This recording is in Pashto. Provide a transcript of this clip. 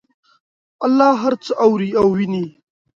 الله هر څه اوري او ویني